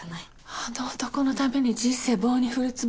あの男のために人生棒に振るつもり？